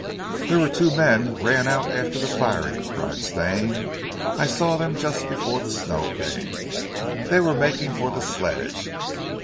"There were two men ran out after the firing," cried Stane. "I saw them just before the snow came. They were making for the sledge.